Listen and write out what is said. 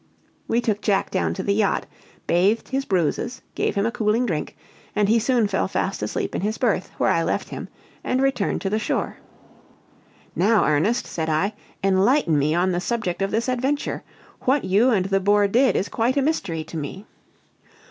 We took Jack down to the yacht, bathed his bruises, gave him a cooling drink, and he soon fell fast asleep in his berth, where I left him and returned to the shore. "Now, Ernest," said I, "enlighten me on the subject of this adventure! What you and the boar did, is quite a mystery to me."